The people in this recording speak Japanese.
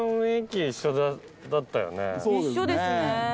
そうですね。